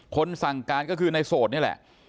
สั่งการก็คือในโสดนี่แหละ